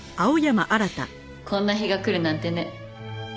こんな日が来るなんてね。